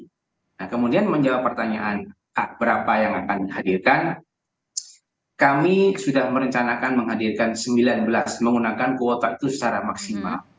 nah kemudian menjawab pertanyaan berapa yang akan dihadirkan kami sudah merencanakan menghadirkan sembilan belas menggunakan kuota itu secara maksimal